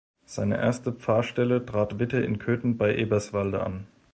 Seine erste Pfarrstelle trat Witte in Cöthen bei Eberswalde an.